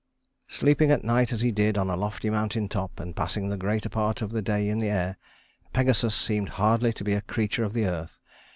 "Sleeping at night as he did, on a lofty mountain top, and passing the greater part of the day in the air, Pegasus seemed hardly to be a creature of the earth.